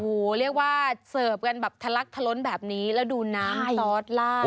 โอ้โหเรียกว่าเสิร์ฟกันแบบทะลักทะล้นแบบนี้แล้วดูน้ำซอสลาด